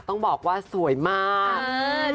ต้องบอกว่าสวยมาก